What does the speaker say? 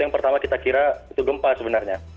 yang pertama kita kira itu gempa sebenarnya